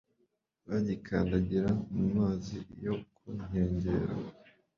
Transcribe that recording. bagikandagira mu mazi yo ku nkengero